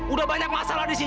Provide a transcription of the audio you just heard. udah banyak masalah di sini